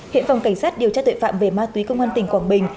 hiện phòng cảnh sát điều tra tội phạm về ma túy công an tỉnh quảng bình